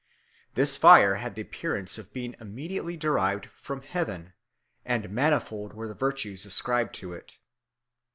This fire had the appearance of being immediately derived from heaven, and manifold were the virtues ascribed to it.